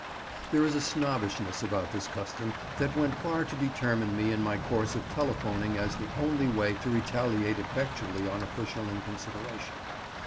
There is a snobbishness about this custom that went far to determine me in my course of telephoning as the only way to retaliate effectually on official inconsideration.